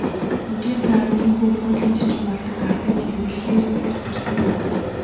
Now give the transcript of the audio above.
Өдрийн цагаар ийнхүү буудлын зочин болдог аргыг хэрэглэхээр тохирсон юм.